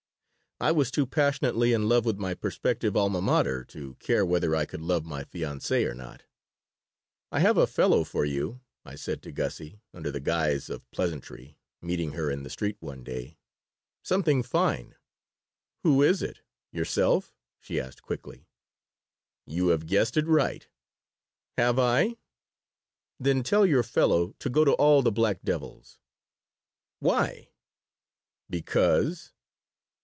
I was too passionately in love with my prospective alma mater to care whether I could love my fiancée or not "I have a fellow for you," I said to Gussie, under the guise of pleasantry, meeting her in the street one day. "Something fine." "Who is it yourself?" she asked, quickly "You have guessed it right." "Have I? Then tell your fellow to go to all the black devils." "Why?" "Because."